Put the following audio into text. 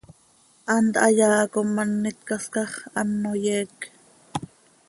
Hant hayaa com an itcascax, ano yeec.